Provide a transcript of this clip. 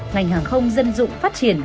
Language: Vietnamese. ngành hàng không dân dụng phát triển